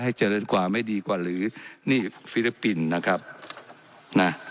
เจริญกว่าไม่ดีกว่าหรือนี่ฟิลิปปินส์นะครับนะ